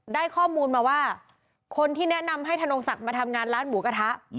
ได้ข้อมูลมาว่าคนที่แนะนำให้ธนงศักดิ์มาทำงานร้านหมูกระทะ